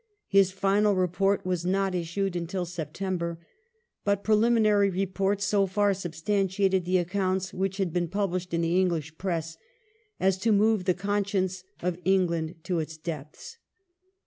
His final report was not issued until September, but preliminary reports so far substantiated the accounts which had ■ been published in the English Press as to move the conscience of England to its depths.